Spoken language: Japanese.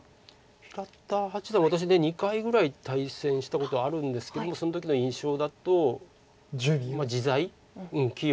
平田八段は私２回ぐらい対戦したことあるんですけどもその時の印象だと自在器用。